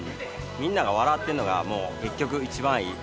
みんなが笑ってるのがもう結局一番いい。